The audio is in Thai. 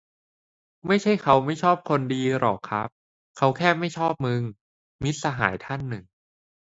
"ไม่ใช่เค้าไม่ชอบคนดีหรอกครับ เค้าแค่ไม่ชอบมึง" - มิตรสหายท่านหนึ่ง"